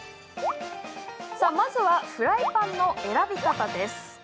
まずは、フライパンの選び方。